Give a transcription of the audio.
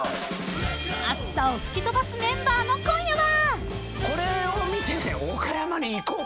［暑さを吹き飛ばすメンバーの今夜は］